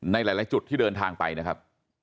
ในหลายจุดที่เดินทางไปนะครับ